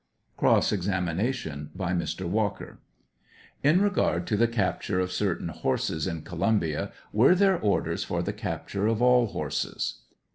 ] Cross examination by Mr. Walker : Q. In regard to the capture of certain horses in Co lumbia, were there orders for the capture of all horses?